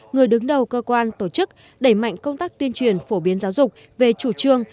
người đứng đầu cơ quan tổ chức đẩy mạnh công tác tuyên truyền phổ biến giáo dục về chủ trương